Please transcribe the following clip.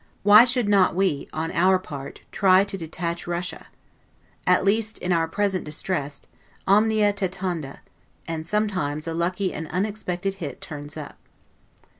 Why should not we, on our part, try to detach Russia? At least, in our present distress, 'omnia tentanda', and sometimes a lucky and unexpected hit turns up.